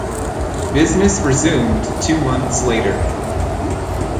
Business resumed two months later.